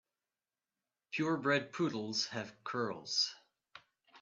Pure bred poodles have curls.